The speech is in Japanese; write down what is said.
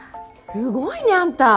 すごいねあんた！